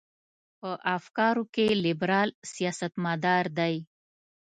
په افکارو کې لیبرال سیاستمدار دی.